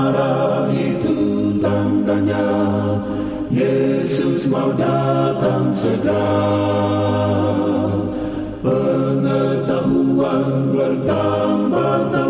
datang segera datang segera